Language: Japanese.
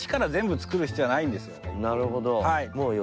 なるほど。